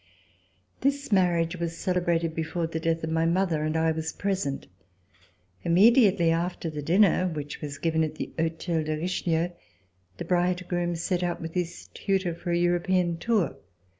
This marriage was celebrated before the death of my mother, and I was present. Immediately after the dinner, which was given at the Hotel de Richelieu, the bridegroom set out with his tutor for a European tour.